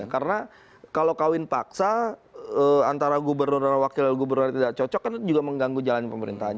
karena kalau kawin paksa antara gubernur dan wakil dan gubernur tidak cocok kan juga mengganggu jalan pemerintahan